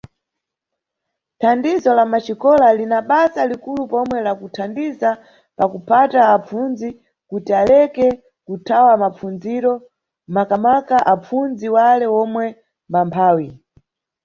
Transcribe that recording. Thandizo la Maxikola lina basa likulu pomwe la kuthandiza pa kuphata apfundzi kuti aleke kuthaya mapfundziro, makamaka apfundzi wale omwe mbamphawi.